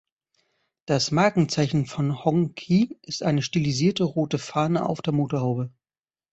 Das Markenzeichen von Hongqi ist eine stilisierte rote Fahne auf der Motorhaube.